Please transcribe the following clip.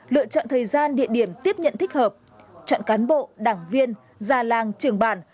lựa chọn thời gian địa điểm tiếp nhận thích hợp chọn cán bộ đảng viên gia làng trường bản